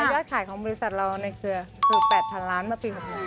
ใช้ยอดขายของบริษัทเราในเกือบ๘๐๐๐ล้านบาทมาปี๖ปี